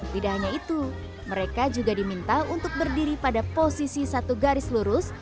tidak hanya itu mereka juga diminta untuk berdiri pada posisi satu garis lurus